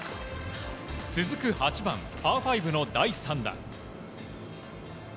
続く８番、パー５の第３打。